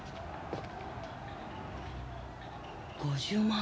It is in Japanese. ５０万。